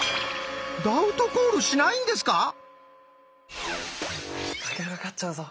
ダウトコールしないんですか⁉翔が勝っちゃうぞ！